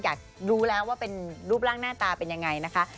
อยากรู้แล้วว่าเป็นรูปร่างหน้าตาเป็นยังไงนะคะ